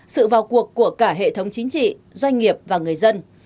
sự vào cuộc của cả hệ thống chính trị doanh nghiệp và người dân